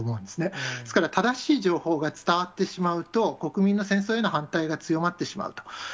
ですから、正しい情報が伝わってしまうと、国民の戦争への反対が強まってしまうと。